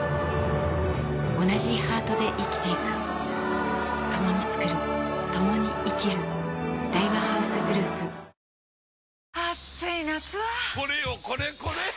おなじハートで生きていく共に創る共に生きる大和ハウスグループミーンミーン暑い夏はコレよ